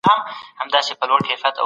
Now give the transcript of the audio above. حکومت باید د ضعیفانو ملګری وي.